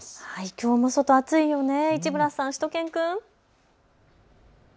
きょうも外、暑いよね、市村さん、しゅと犬くん。